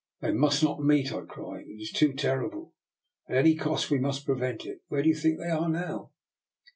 *' They must not meet," I cried. " It is too terrible. At any cost we must prevent it. Where do you think they are now?